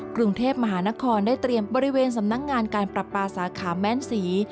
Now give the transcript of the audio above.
กรุงเทพมหานครได้เตรียมบริเวณสำนักงานการปรับปลาสาขาแม้นศรี